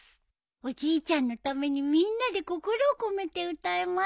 おじいちゃんのためにみんなで心を込めて歌います。